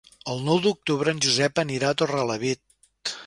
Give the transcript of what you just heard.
El nou d'octubre en Josep anirà a Torrelavit.